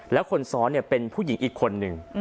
แล้วคนซ้อนเป็นผู้หญิงอีกคนนึง